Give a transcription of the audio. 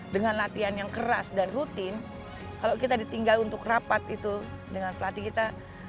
dengan latihan yang keras dan rutin kalau kita ditinggal untuk rapat itu dengan pelatih kita